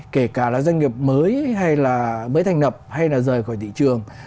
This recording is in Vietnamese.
kể cả là doanh nghiệp mới hay là mới thành lập hay là rời khỏi thị trường